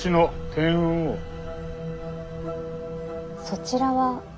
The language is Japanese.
そちらは？